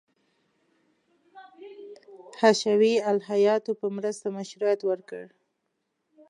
حشوي الهیاتو په مرسته مشروعیت ورکړ.